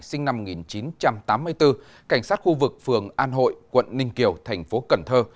sinh năm một nghìn chín trăm tám mươi bốn cảnh sát khu vực phường an hội quận ninh kiều thành phố cần thơ